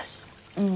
うん。